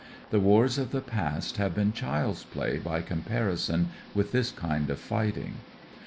The wars of the past have been child's play by comparison with this kind of fighting.